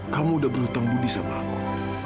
kamu udah berhutang budi sama aku